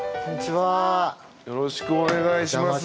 よろしくお願いします。